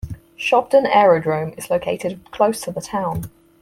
Shobdon Aerodrome is located close to the town.